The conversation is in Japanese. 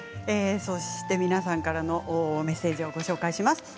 皆さんからのメッセージをご紹介します。